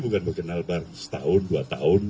bukan berkenal bareng setahun dua tahun